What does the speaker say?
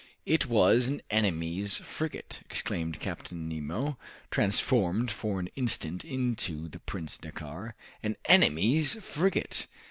"It was an enemy's frigate," exclaimed Captain Nemo, transformed for an instant into the Prince Dakkar, "an enemy's frigate!